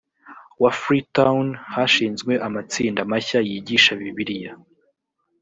wa freetown hashinzwe amatsinda mashya yigisha bibiliya